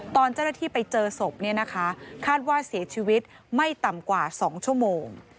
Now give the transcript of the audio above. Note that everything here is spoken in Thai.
ตอนเจ้าหน้าที่ไปเจอศพเนี่ยนะคะคาดว่าเสียชีวิตไม่ต่ำกว่า๒ชั่วโมง